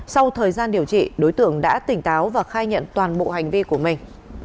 sau thời gian điều trị đối tượng đã tỉnh táo và khai nhận toàn bộ hành vi của mình